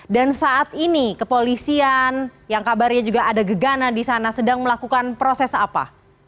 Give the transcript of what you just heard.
dan saat ini kepolisian yang kabarnya juga ada gegana di sana sedang melakukan proses apa